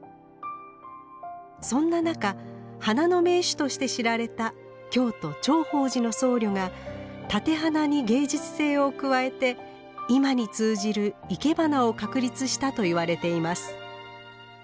そんな中花の名手として知られた京都頂法寺の僧侶が立て花に芸術性を加えて今に通じるいけばなを確立したといわれています。